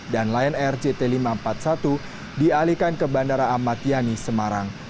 dan lion air jt lima ratus empat puluh satu dialihkan ke bandara amatiani semarang